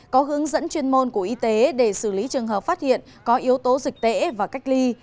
có hướng dẫn chuyên môn của y tế để xử lý trường hợp phát hiện có yếu tố dịch tễ và cách ly